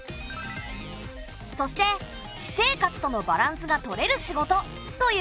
そして私生活とのバランスがとれる仕事という回答だった。